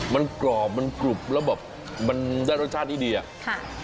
มันกรอบมันกรุบแล้วแบบมันได้รสชาติที่ดีอ่ะค่ะ